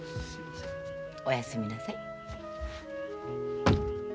おやすみなさい。